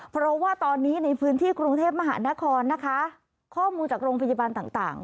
เพราะว่าตอนนี้ในพื้นที่กรุงเทพมหานครนะคะข้อมูลจากโรงพยาบาลต่าง